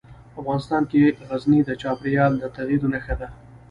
افغانستان کې غزني د چاپېریال د تغیر نښه ده.